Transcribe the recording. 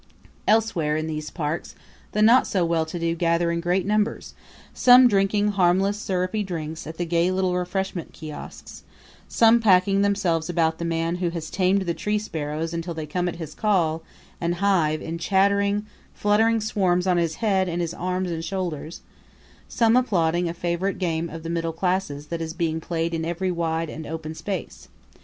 Elsewhere in these parks the not so well to do gather in great numbers; some drinking harmless sirupy drinks at the gay little refreshment kiosks; some packing themselves about the man who has tamed the tree sparrows until they come at his call and hive in chattering, fluttering swarms on his head and his arms and shoulders; some applauding a favorite game of the middle classes that is being played in every wide and open space.